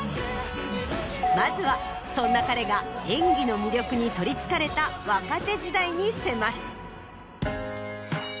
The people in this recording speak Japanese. まずはそんな彼が演技の魅力に取りつかれた若手時代に迫る。